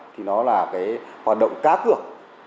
thì nó là cái hoạt động cá cược